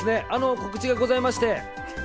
告知がございまして。